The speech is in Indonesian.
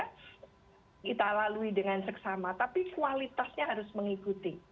kita lalui dengan seksama tapi kualitasnya harus mengikuti